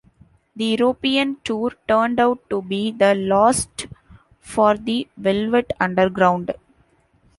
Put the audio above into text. The European tour turned out to be the last for the Velvet Underground.